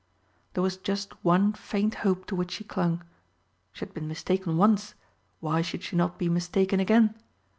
There was just one faint hope to which she clung. She had been mistaken once why should she not be mistaken again?